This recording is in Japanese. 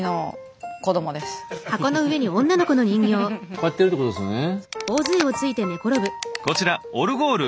えとこうやってるってことですよね。